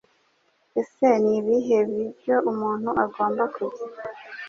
Ese n ibihe biryo umuntu agomba kurya